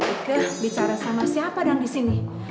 iko bicara sama siapa dong di sini